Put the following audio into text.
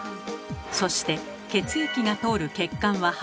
そして血液が通る血管は半透明。